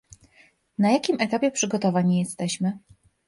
na jakim etapie przygotowań jesteśmy?